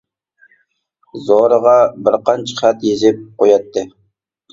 زورىغا بىر قانچە خەت يېزىپ قوياتتى.